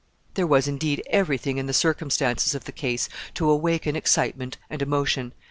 There was, indeed, every thing in the circumstances of the case to awaken excitement and emotion.